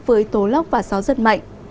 với tố lóc và gió rất mạnh